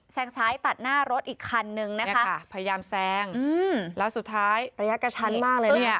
แซงซ้ายตัดหน้ารถอีกคันนึงนะคะนี่ค่ะพยายามแซงแล้วสุดท้ายประยักษณ์กระชันมากเลยเนี่ย